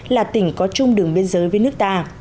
là tỉnh có chung đường biên giới với nước ta